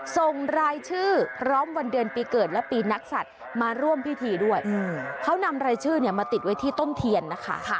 ส่งรายชื่อพร้อมวันเดือนปีเกิดและปีนักศัตริย์มาร่วมพิธีด้วยเขานำรายชื่อเนี่ยมาติดไว้ที่ต้นเทียนนะคะ